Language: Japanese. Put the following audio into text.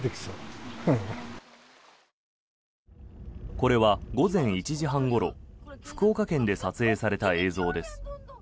これは午前１時半ごろ福岡県で撮影された映像です。